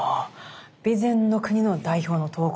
備前国の代表の刀工。